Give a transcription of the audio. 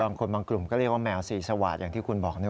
บางคนบางกลุ่มก็เรียกว่าแมวสีสวาดอย่างที่คุณบอก